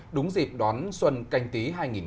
đúng dịp đón xuân canh tí hai nghìn hai mươi